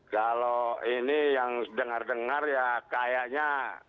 kalau ini yang dengar dengar ya kayaknya